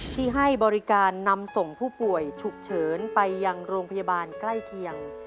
ที่ให้บริการนำส่งผู้ป่วยฉุกเฉินไปยังโรงพยาบาลใกล้เคียง